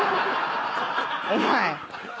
お前。